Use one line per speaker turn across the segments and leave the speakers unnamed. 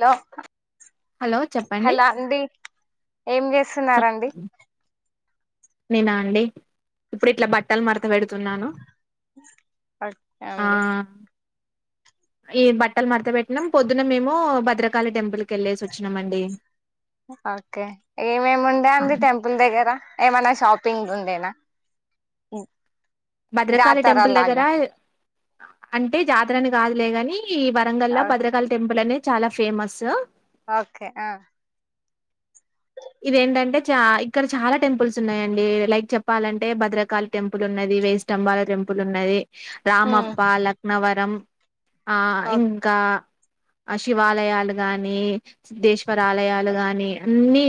Hello
hello చెప్పండి
hello అండి ఏం
చెప్
చేస్తున్నండి
నేనా అండి ఇప్పుడు ఇట్లా బట్టలు మడత పెడుతున్నాను
అకే
ఆ
అండి
ఈ బట్టలు మడ్తా పెట్టినాం పొద్దున మేము భద్రకాళి టెంపుల్ కి వెళ్ళేసి వచ్చినాంమండి
ఓకే ఏమేమి ఉండే
ఆ!
అడి టెంపుల్ దగ్గర ఏమైనా షాప్ పింగ్ గుండేనా
భద్రకాళి టెంపుల్ దగ్గర అంటే జాతరని కాదులే కాని ఈ వరంగల్ లో భద్రకాళ టెంపుల్ అనే చాలా ఫేమస్
ఓకే ఆ
ఇదేంటంటే చ ఇక్కడ చాలా టెంపుల్స్ ఉన్నాయండి లైక్ చెప్పాలంటే భద్రకాళి టెంపుల్ ఉన్నది ఇది వేయి స్తంబాల టెంపుల్ ఉన్నది
హ్మ్
రామప్ప లక్నవరం ఆ
ఓకే
ఇంకా ఆ శివాలయాలు గాని సిద్దేశ్వర ఆలయాలు గాని అన్ని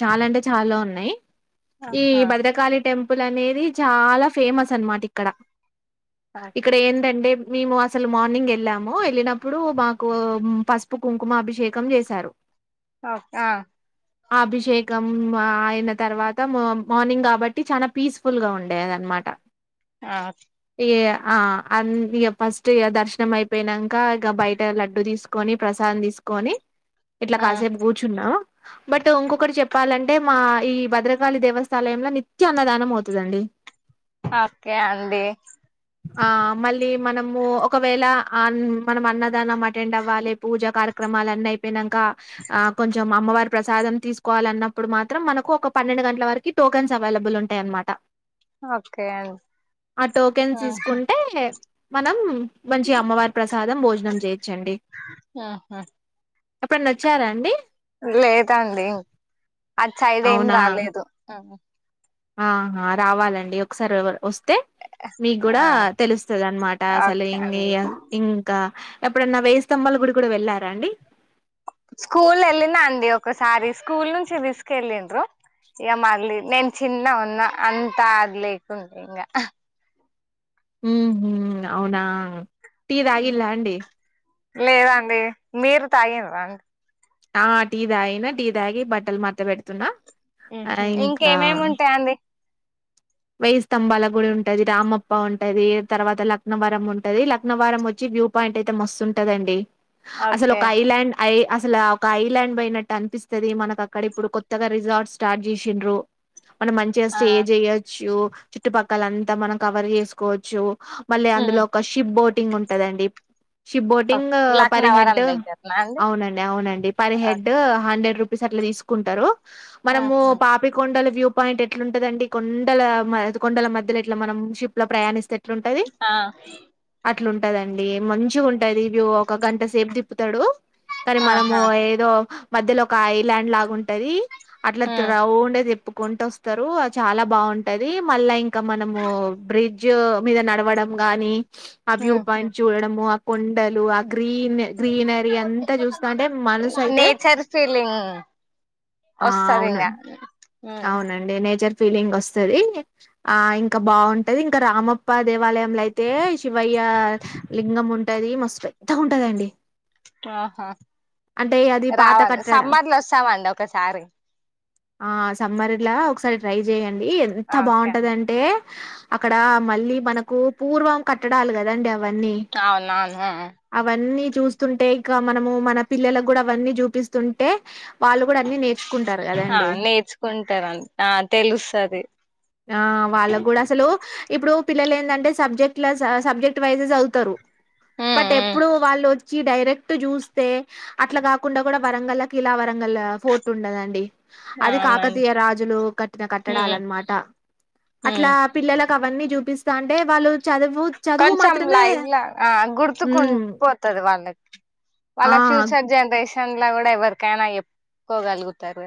చాలా అంటే చాలా ఉన్నాయి ఈ భద్రకాళి టెంపుల్ పుల్ అనేది చాలా ఫేమస్ అనమాట ఇక్కడ ఇక్కడ ఏంటంటే మేము అసలు మార్నింగ్ వెళ్ళాము వెళ్ళినప్పుడు మాకు పసుపు కుంకుమ అభిషేకం చేసారు
ఆ
అభిషేకం అయిన తర్వాత మార్నింగ్ కాబట్టి చాలా పీస్ఫుల్ గా ఉండేదిన్నమాట మాట
ఆ
ఇక ఫస్ట్ ఇ దర్శనం అయిపోయినానంక ఇక బయట లడ్డు తీసుకొని ప్రసాద్ తీసుకొని ఇట్లా
ఆ
కాసేపు కూర్చున్నా బట్ ఇంకొకటి చెప్పాలంటే మా ఈ భద్రకాళి దేవస్థాలయంలో నిత్య అన్నదానం అవుతుందండి
ఓకే అండి
ఆ మళ్ళీ మన ఒకవేళ మనం అన్నదానం అటెండ్ అవ్వాలి పూజా కార్యక్రమాలు అన్ని అయిపోయినాం ఆ కొంచం అమ్మవారి ప్రసాదం తీసుకోవాల అన్నప్పుడు మాత్రం మనకు ఒక పన్నెండు గంటల వరకు టోకన్స్ అవైలబుల్ ఉంటాయ అన్నమాట
ఓకే అండి
ఆ టోకెన్స్ తీసుకుంటే మనం మంచి అమ్మవారి ప్రసాదం భోజనం చేయు
ఆహా
ఎప్పుడన్న వచ్చారా అండి
లేదండి ఆది సైడ్ ఏమి
అవునా
రాలేదు
ఆహా రావాలండి ఒకసారి వ అతే మీకు
ఆ
కూడా తెలుస్తుంది అనమాట అసలు
ఓకే
ఇ
అండి
ఇంకా ఎప్పుడన్నా వేయి స్తంభాల గుడి కూడా వెళ్ళారా అండి
స్కూల్ వెళ్ళినా అందిడి ఒకసారి స్కూల్ నుంచి రిస్క్ వెళ్ళండ్రు ఇ మాగలీ నేను చిన్న ఉన్న అంతా అగలేకుంటే ఇకా
హ హ అవునా టీటీదగిలా అండి
లేదండి మీరు తాయి రం
ఆ టీ తాగిన టీ తాగి బట్టలు మాత్త పెడుతున్నా ఆ
ఇంకేమేమి ఉంటాయి అందిడి
వయయి స్తంభాల గుడి ఉంటది రామప్ప ఉంటది తర్వాత లక్నవరం ఉంటది లక్నవరం వచ్చి వ్యూ పాయింట్ అయితే మస్తుంటదండి అసలు
ఓకే
ఒక ఐలాండ్ ఐ అసలు ఒక ఐలాండ్ పోయినట్టు అనిపిస్తుంది మనకు అక్కడ ఇప్పుడు కొత్తగా రిజార్ట్ స్టార్ట్ చేసిండ్రు మనం మంచిగా
ఆ
స్టే చేయొచ్చు చుట్టుపక్కల అంతా మనం కవర్ చేసుకోవచ్చు మళ్ళీ అందులో ఒక షిప్ బోటింగ్ ఉంటదండి ship boating per
Laknavaram
head
దగ్గరనా అండి
అవునండి అవునండి పర్ హెడ్ హండ్రెడ్ రూ అట్లా తీసుకుంటారు మనము పాపికొండల వ్యూ పాయింట్ ఎట్లుంటదండి కొ కొండల కొండల మధ్య ఇట్లా మనం షిప్ లో ప్రయాణిస్తే
ఆ
అట్లా ఉంటాదండి మంచిగా ఉంటాది వ్యూ ఒక గంట సేపు తిప్పుతాడు కానీ మనము
ఆహా
ఏదో మధ్యలో ఒక ఐలాండ్ లాగుంటది అట్లా రౌండే తప్పుకుంటూ వస్తారు అ చాలా బాగుంటు ఉంటది మళ్ళా ఇంకా మనము బ్రిడ్జ్ మీద నడవడం గాని ఆ వ్యూ పాయింట్ చూడము ఆ కొండలు ఆ గ్రీన్ గ్రీనరీ అంతా చూస్తా అంటే మనసు అయితే ఆ అవునండి
వస్తందికా
అవునండి న నర్ ఫీలింగ్ వస్తుంది ఆ ఇంకా బాగుంటది ఇంకా రామప్ప దేవాలయంంలో అయితే శివయ్య లింగం ఉంటది మస్తు పెద్దగా ఉంటదండి
ఆహా
అంటే అది పాత
రావాలి
కట్టడ
సంబద్లు వస్తామండి ఒకసారి
ఆ సమ్మర్లా ఒకసారి ట్రై చెయడి ఎంత
ఓకే అండి
బాగుంటదింటే అక్కడ మళ్ళీ మనకు పూర్వం కట్టడాలి కదండి అవన్నీ
అవునవును
అవన్నీ చూస్తుంటే ఇంక మనము మన పిల్లలకు కూడా అవన్నీ చూపిస్తుంటే వాళ్ళు కూడా అన్ని నేర్చుకుంటారు
ఆ
కదండి
నేర్చుకుంటారని ఆ తెలుస్తది
ఆ వాళ్ళకు కూడా అసలు ఇప్పుడు పిల్లలు ఏంటంటే సబ్జెక్ట్ల సబ్జెక్ట్ వైజెస్ చదువుతారు బట్ ఎప్పుడు వాళ్ళు చ్చి డైరెక్ట్ చూస్తే అట్లా కాకుండా కూడా వరంగల్ క ఇలా వరంగల్ ఫోర్ట్ ఉండదండి
ఆ
అది
అవును
కాకతీయ రాజులు కట్టిన కట్టడాల అన్నమాట అట్లా
ఉమ్
పిల్లల అవన్నీ చూపిస్తా అంటే వాళ్ళు చదువు చదువు
కొంచెం
మాత్రమే
లైవ్లా ఆ గుర్తుకుం
ఉమ్
పోతుది వాళ్ళకి
ఆ
వాళ్ళ ఫ్యూచర్ జనరేషన్ లో కూడా ఎవరికైనా ఎప్పుక్కకోగలుగుతారు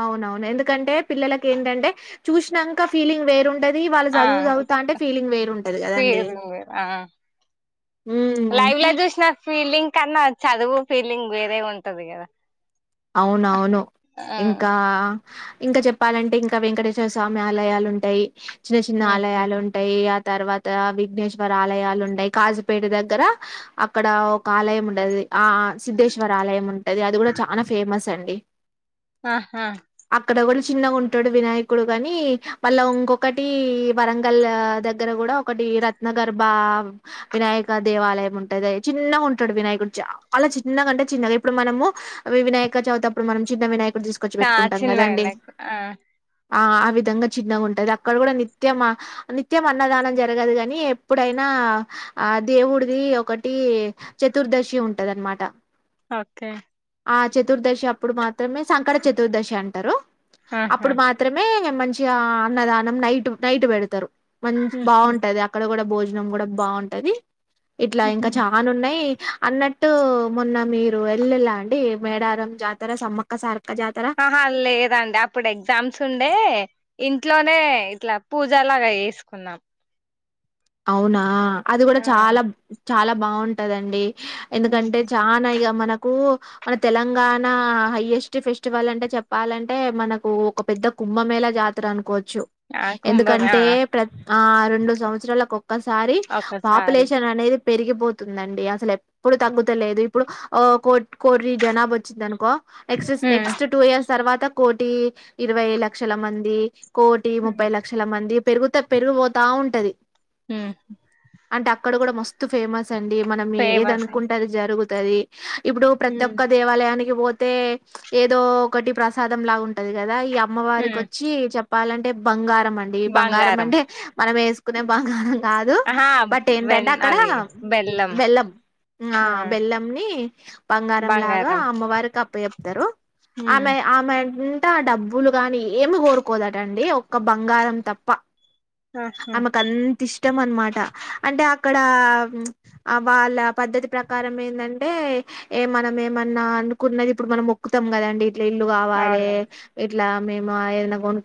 అవునవును ఎందుకంటే పిల్లలకి ఏంటంటే చూసినాక ఫీలింగ్ వేరుండది అది వాళ్ళు
ఆ
చదువు చదువుతా అంటే ఫీలింగ్ వేరుంటంది కదండి ఉమ్
లైవ్లాజస ఫిలింగ్ కన్నా చదువు ఫీలింగ్ వేరే ఉంటది కదా
అవునవును
ఆ
ఇంకా ఇంకా చెప్పాలంటే ఇంకా వెంకటేశ్వర స్వామి ఆలయాలు ఉంటాయి చిన్న చిన్న
ఉహు
ఆలయాలుంటాయి తర్వాత విఘ్నేశ్వర ఆలయాలు ఉండయి కాజుపేట దగ్గర అక్కడ ఒక ఆలయం ఉండది ఆ సిధేశ్వర ఆలయం ఉంటుది అది కూడా చాలా ఫేమస్ అండి
ఆహా
అక్కడ కూడా చిన్నగా ఉంటాడు వినాయకుడు గాని మళ్ళ ఇంకొకటి వరంగల్ దగ్గర కూడా ఒకటి రత్న గర్భ వినాయక దేవాలయం ఉంటది చిన్నగా ఉంటాడు వినాయకుడు చాలా అలా చిన్నగా అంటే చిన్నగా ఇప్పుడు మనము వినాయక చవివుత అప్పుడు మనం చిన్న వినాయక ఇప్పుడు తీసుకొచ్చి
ఆ
పెట్టుకుంటాం
చిన్నగ
కదండి
నాకు ఆ
ఆ ఆ విధంగా చిన్నగా ఉంటుంది అక్కడ కూడా నిత్యం నిత్యం అన్నదానం జరగదు కాని ఎప్పుడైనా ఆ దేవుడిది ఒకటి చతుర్దశి ఉంటదినమాట
ఓకే
ఆ చతుర్దశి అప్పుడు మాత్రమే సంకట చతుర్దశి అంటారు
ఆహా
అప్పుడు మాత్రమే మంచి అన్నదానం నైట్ నైట్ పెడతారు మంచి
ఉహు
బాగుంటది అక్కడ కూడా భోజ భనం కూడా బాగుంటది ఇట్లా ఇంకా
ఉహు
చాలా ఉన్నాయి అన్నట్టు మొన్న మీరు వెళ్ళలా అండి మేడారం జాతర సమ్మక్క సార్
ఆహా లేదండి అప్పుడు ఎగ్జామ్స్ ఉండే ఇంట్లోనే ఇట్లా పూజ లాగా వేసుకున్నాం
అవునా అది కూడా
ఆ
చాలా చాలా బాగుంటదండి ఎందుకంటే
హుహు.
చానా ఇక మన కు మన తెలంగాణ హైయెస్ట్ ఫెస్టివల్ అంటే చెప్పాలంటే మనకు ఒక పెద్ద కుంభమేళ జాతర అనుకోవచ్చు
ఆ కుంభమే ఆ
ఎందుకంటే ప్ర ఆ రెండు సంవత్సరాల సారీ
ఒకసారి
పాపులేషన్ అనేది పెరిగిపోతుందండి అసలు ఎప్పుడు తగ్గుతలేదు ఇప్పుడు కో కోటీ జనాబ వచ్చింది అనుకో నెక్స్ట్
హ్మ్
నెక్స్ట్ టూ ఇయర్స్ తర్వాత కోటి ఇరవై లక్షల మంది కోటి ముప్పై
హ్మ్
లక్షల మంది పెరుగుత పెరిగిపోతా ఉంటది
స
అంటే అక్కడ కూడా మస్తు ఫేమస్ అండి మనం ఏది
ఫేమస్
అనుకుంటది జరుగుతుది ఇప్పుడు ప్రతి
హ్మ్
ఒక్క దేవాలయానికి పోతే ఏదో ఒకటి ప్రసాదం లాగా ఉంటది కదా ఈ
హ్మ్
అమ్మవారికిచ్చి చెప్పాలంటే బంగారం అండి ఈ బంగారం అంటే మనం వేసుకునే బంగారం కాదు
ఆహా
బట్ ఏంటంటే
వెన్
అక్కడ
అది
బెల్లం ఆ బెల్లంని బంగారం లాగా అమ్మవారికిప్పు చెప్తారు
హ్మ్
ఆమె ఆమె అ డబ్బులు గాని ఏమి కోరుకోదటండి ఒక్క బంగారం తప్ప
ఆహా
ఆమకు అంత ఇష్ట అనమాట అంటే అక్కడ వాళ్ళ పద్ధతి ప్రకారం ఏంటంటే ఏ మనం ఏమన్నా అనుకున్నది ఇప్పుడు మనం మొకుతాం కదండి ఇట్లా ఇల్లు కావాలి
అవునండి
ఇట్లా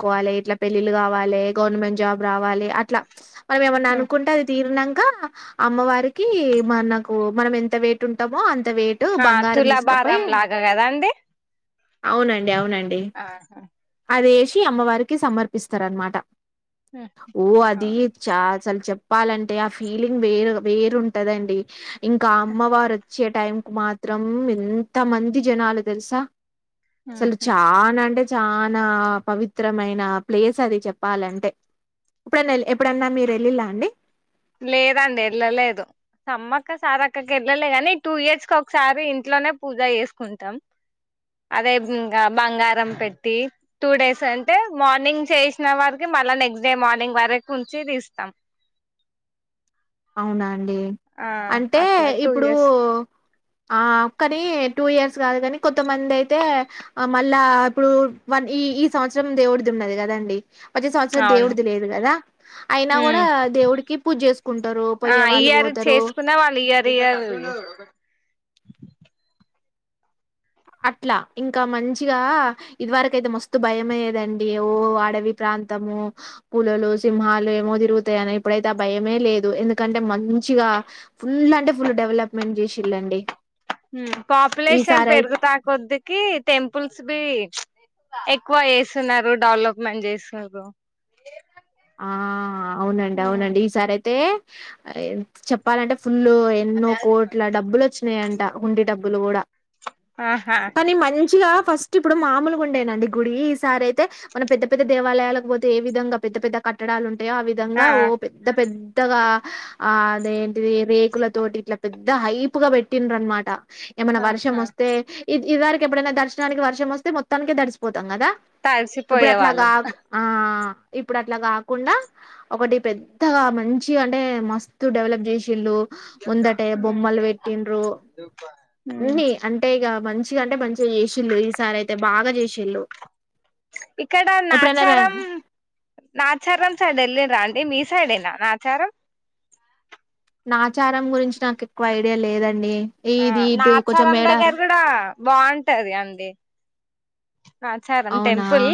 కొల ఇ పెళ్ కావాల గవమెంట్ జవాల అ
హ్మ్.
అనుకుంటే అది తీరిక అమ్మవారికి మనకు మనం ఎంత వెయిట్ ఉంటామో అ అంత వేటు
ఆ
బంగారం తీసుకపోయి
తులాభారం లాగా కదండి
అవునండి అవునండి
ఆహా
అది వేసి అమ్మవారికి సమర్పిస్తార అనమాట
హ్మ్.
ఓ అది
అవును
చా అసలు చెప్పాలంటే ఆ ఫీలింగ్ వేరు వేరుంటదండి ఇంకా అమ్మవారు వచ్చే టైం కు మాత్రం ఎంత మంది జనాలు తెలుసా
హ్మ్.
అసలు చా అంటే చాలా పవిత్రమైన ప్లేస్ అది చెప్పాలంటే ఇప్పుడన్నా ఎప్పుడన్నా మీరు తెళ్ళలా అండి
లేదండి వెళ్ళలేదు సమ్మక్క సార్ అక్కకి వెళ్ళలే గాని టూ ఇయర్స్ క ఒకసారి ఇంట్లోనే పూజ చేసుకుంటాం అదే ఇంకా బంగారం పెట్టి టూ డేస్ అంటే మార్నింగ్ చేసిన వారికి మళ్ళా నెక్స్ట్ డే మార్నింగ్ వరకు ఉంచి తీస్తాం
అవునా
ఆ
అంటే
అట్లా టూ
ఇప్పుడు
ఇయర్స్
ఆ కాని టూ ఇయర్స్ కాదు కానీ కొంతమంది అయితే మళ్ళా ఇప్పుడు వన్ ఈ సంవత్సరం దేవుడిది ఉన్నది కదా అండి వది సంవత్సరం
అవును
దేవుడిది లేదు కదా అయినా కూడా
ఉమ్
దేవుడికి పూజ చేసు
ఆ ఇయరు చేసుకున్న వాళ్ళు ఇయరు ఇ
అట్లా ఇంకా మంచిగా ఇది వరకయితే మస్తు భయమయ్యదండి వాడవి ప్ర ప్రాంతము పలలు సింహాలు ఏమో తిరుగుతాయని ఇప్పుడైతే భయమే లేదు ఎందుకంటే మంచి ఫుల్ అంటే ఫుల్ డెవలప్మెంట్ చేసిళ్ళండి
పాపులేషన్ పెరుగుతా కొద్ద్దకి టెంపుల్స్ బి ఎక్కువ చేస్తున్నారు డెవలప్మెంట్ చేస్తున్నారు
ఆ అవునండి అవునండి ఈసారి అయితే చెప్పాలంటే ఫుల్ ఎన్నో కోట్ల డబ్బులు వచ్చినాయంట ఉుండడి డబ్బులు కూడా
ఆహా
కానీ మంచిగా ఫస్ట్ ఇప్పుడు మామూలు గుండేనండి గుడి ఈ సారి అయితే మన పెద్ద పెద్ద దేవాలయాలకు పోతే ఏ విధంగా పెద్ద పెద్ద కట్టడాలు ఉంటాయో ఆ విధంగా ఓ పెద్ద పెద్ద పెత్తగా ఆ అదేంటిది రేకుల తటి ఇట్లా పెద్ద హైప్గా పెట్టిన్ర అనమాట ఏమైన్నా వర్షం
ఆహా
వస్తే ఇది ఇది వారికి ఎప్పుడైనా దర్శనానికి వర్షం వస్తే మొత్తానికే దడిచిపోతుంది కదా ఇప్పుడు
తడిసిపోయే
అట్లాగా
వాళ్ళం
ఆ ఇప్పుడు ఇట్లా కాకుండా ఒకటి పెద్దగా మంచి అంటే మస్తు డెవలప్ చేసేళ్ళు ముందటే
ఉమ్
బొమ్మలు వెట్టిన్ు
ఉమ్
అన్నిీ అంటే ఇ మంచిగా అంటే మంచిగా చేసిళు ఈ సారి అయితే బాగా చేసిల్ళు
ఇక్కడ నాచారం నా ఆచారం సైడ్ వెళ్ళి రా అండి మీ సైడ్ేనా నా ఆచారం
నా ఆచారం గురించి నాకు ఎక్కువ ఐడియా లేదండి
ఆ
ఇది ఇది కొంచెం
నాచారం దగ్గర
మేడారం
కూడా బాగుంటది అండి ఆచారం
అవునా
టెంపుల్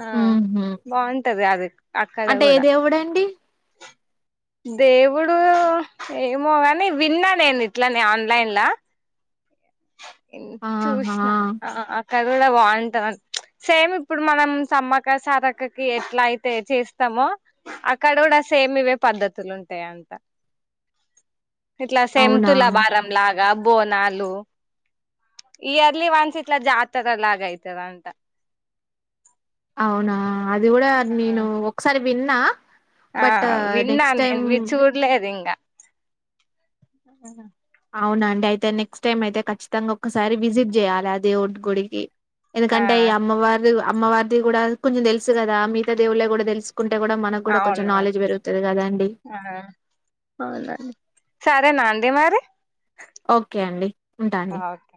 ఆ
ఉహు
బాగుంటది అది అక్కడ
అంటే ఏ
కూడా
దేవుడండి
దేవుడు ఏమో కాని విన్నా నేను ఇట్లనే ఆన్లైన్
ఆహా
చూసినా అక్కడ కూడా బాగుంటాంది సేమ్ ఇప్పుడు మనం సమ్మకా సారక్కకి ఎట్లా అయితే చేస్తామో అక్కడ కూడా సేమ్ ఇవే పద్ధతులు ఉంటాయా అంత ఇట్లా
అవునా
సెంతుూలా బారం లాగా బోనాలు ఇయర్లీ వన్స్ ఇట్లా జా తరలా ఆగయితద అంటా
అవునా అది కూడా నేను ఒకసారి విన్నా
ఆ
బట్
విన్నాను
నెక్స్ట్ టైమ్
నేను వి ఆ
అవునండి అయితే నెక్స్ట్ టైం అయితే ఖచ్చితంగా ఒకక్కసారి విజిట్ చేయాలి అదే ఒంటి గుడికి
ఆ
ఎందుకంటే ఈ అమ్మవారి అమ్మవారిది కూడా కొంచెం తెలుసు కదా మిగతా దేవుళ్ళ కూడా తెలుసు కుంటే కూడా మనకు కూడా కొంచెం నాలెడ్జ్
అవునవును
పెరుగుతుంది కదాండి
ఆ నాందే మరి
ఓకే అండి ఉంటాండి
ఓకే